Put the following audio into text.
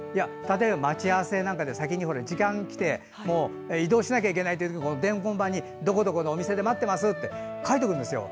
待ち合わせなんかで先に時間が来て移動しなきゃいけない時に伝言板にどこどこのお店で待ってますって書いておくんですよ。